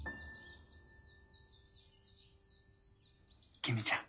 公ちゃん。